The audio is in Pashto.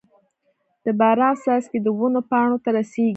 د باران څاڅکي د ونو پاڼو ته رسيږي.